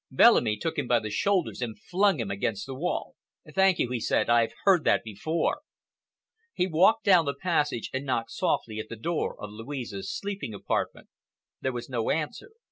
Bellamy took him by the shoulders and flung him against the wall. "Thank you," he said, "I've heard that before." He walked down the passage and knocked softly at the door of Louise's sleeping apartment. There was no answer.